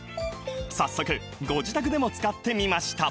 早速ご自宅でも使ってみました